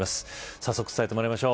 早速、伝えてもらいましょう。